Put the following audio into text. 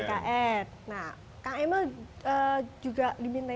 kang emel juga diminta